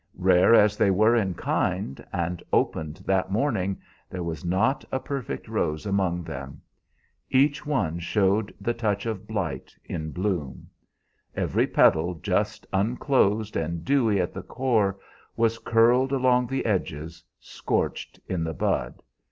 Rare as they were in kind, and opened that morning, there was not a perfect rose among them. Each one showed the touch of blight in bloom. Every petal, just unclosed and dewy at the core, was curled along the edges, scorched in the bud.